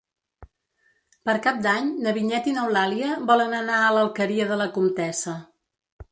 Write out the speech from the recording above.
Per Cap d'Any na Vinyet i n'Eulàlia volen anar a l'Alqueria de la Comtessa.